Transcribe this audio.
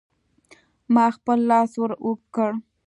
ما خپل لاس ور اوږد کړ.